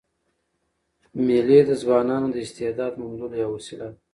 مېلې د ځوانانو د استعداد موندلو یوه وسیله ده.